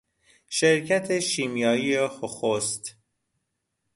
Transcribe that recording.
شرکت شیمیایی هوخست